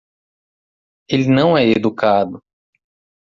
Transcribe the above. Ele não é educado.